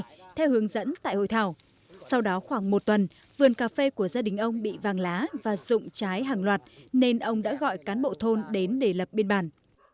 theo hướng dẫn tại hội thảo sau đó khoảng một tuần vườn cà phê của gia đình ông bị vàng lá và rụng trái hàng loạt nên ông đã gọi cán bộ thôn đến để lập biên bản